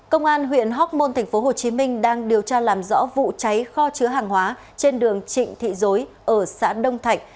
công an huyện hóc môn tp hcm đang điều tra làm rõ vụ cháy kho chứa hàng hóa trên đường trịnh thị dối ở xã đông thạnh